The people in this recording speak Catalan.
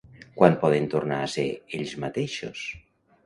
Quan poden tornar a ser ells mateixos?